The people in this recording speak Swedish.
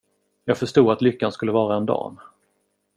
Jag förstod att lyckan skulle vara en dam.